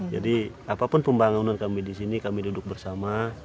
jadi apapun pembangunan kami di sini kami duduk bersama